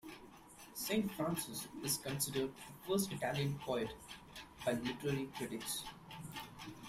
Saint Francis is considered the first Italian poet by literary critics.